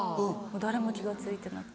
誰も気が付いてなくて。